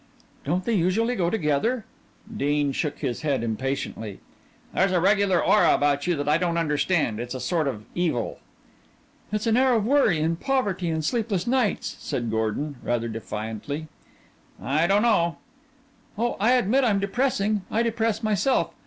"Don't they usually go together?" Dean shook his head impatiently. "There's a regular aura about you that I don't understand. It's a sort of evil." "It's an air of worry and poverty and sleepless nights," said Gordon, rather defiantly. "I don't know." "Oh, I admit I'm depressing. I depress myself.